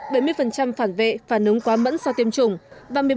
bảy mươi phản vệ phản ứng quá mẫn sau tiêm chủng